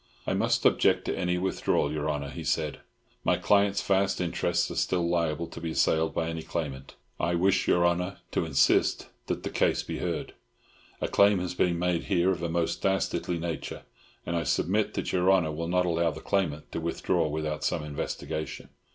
"I must object to any withdrawal, your Honor," he said. "My client's vast interests are still liable to be assailed by any claimant. I wish your Honor to insist that the case be heard. A claim has been made here of a most dastardly nature, and I submit that your Honor will not allow the claimants to withdraw without some investigation.